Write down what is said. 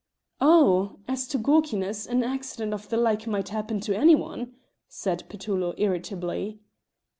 "Oh! as to gawkiness, an accident of the like might happen to any one," said Petullo, irritably.